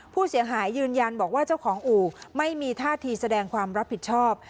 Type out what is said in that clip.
ผู้เสียหายยืนยันบอกว่าเจ้าของอู่ไม่มีท่าทีแสดงความรับผิดชอบ